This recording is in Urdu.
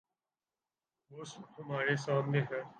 وہ ہمارے سامنے ہے۔